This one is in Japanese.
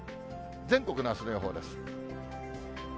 全国のあすの予報です。